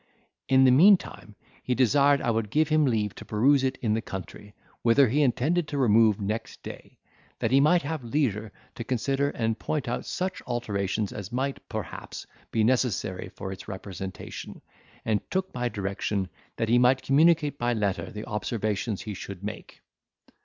In the meantime, he desired I would give him leave to peruse it in the country, whither he intended to remove next day, that he might have leisure to consider and point out such alterations as might, perhaps, be necessary for its representation; and took my direction, that he might communicate by letter the observations he should make.